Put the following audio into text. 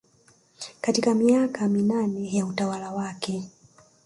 katika miaka minane ya utawala wake